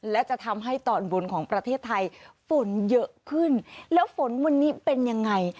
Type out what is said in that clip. และจะทำให้ตอนบนของประเทศไทยฝนเยอะขึ้นแล้วฝนวันนี้เป็นยังไง